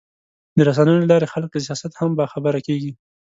د رسنیو له لارې خلک له سیاست هم باخبره کېږي.